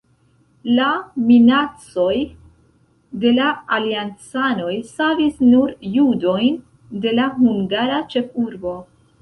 La minacoj de la aliancanoj savis nur judojn de la hungara ĉefurbo.